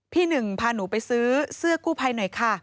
พี่หนึ่งพาหนูไปซื้อเสื้อกู้ภัยหน่อยค่ะ